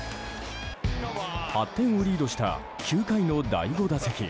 ８点をリードした９回の第５打席。